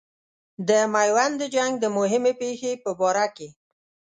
د میوند د جنګ د مهمې پیښې په باره کې.